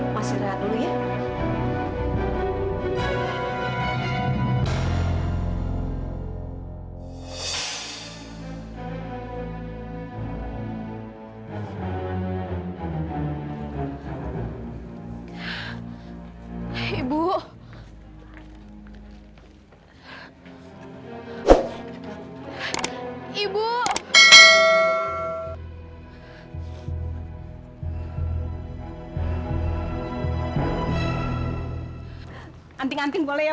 masih rahat dulu ya